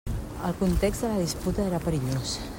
El context de la disputa era perillós.